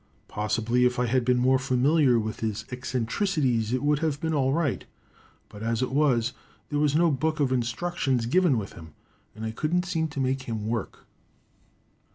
Possibly if I had been more familiar with his eccentricities, it would have been all right; but as it was, there was no book of instructions given with him, and I couldn't seem to make him work.